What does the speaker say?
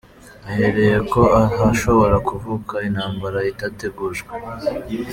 ahereye ko hashobora kuvuka intambara itategujwe”.